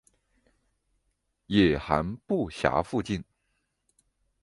野寒布岬附近。